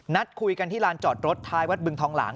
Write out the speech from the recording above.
นัดคุยกันที่ลานจอดรถท้ายวัดบึงทองหลาง